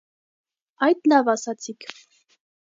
- Այդ լավ ասացիք…